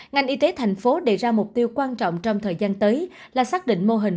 ngành y tế thành phố đề ra mục tiêu quan trọng trong thời gian tới là xác định mô hình